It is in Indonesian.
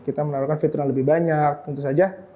kita menaruhkan fitur yang lebih banyak tentu saja